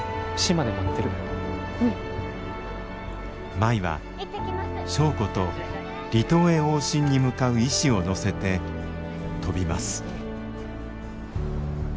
舞は祥子と離島へ往診に向かう医師を乗せて飛びます。